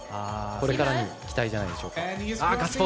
これからに期待じゃないでしょうか。